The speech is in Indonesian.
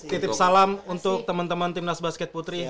titip salam untuk temen temen tim nas basket putri